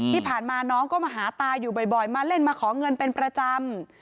ที่ผ่านมาน้องก็มาหาตาอยู่บ่อยมาเล่นมาขอเงินเป็นประจำ